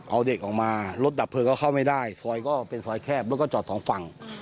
เอาเด็กออกมารถดับเพลิงก็เข้าไม่ได้ซอยก็เป็นซอยแคบรถก็จอดสองฝั่ง